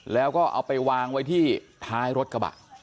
แล้วก็เอาไปวางไว้ที่ท้ายรถกระบะ